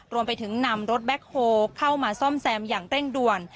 รวมไปถึงนำรถแบ็คโฮเข้ามาซ่อมแซมอย่างเร่งด่วน